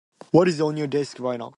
What is on your desk right now?